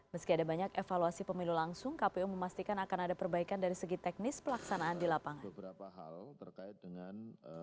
meski ada banyak evaluasi pemilu langsung kpu memastikan akan ada perbaikan dari segi teknis pelaksanaan di lapangan